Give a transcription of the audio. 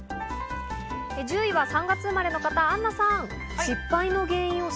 １０位は３月生まれの方、アンナさん。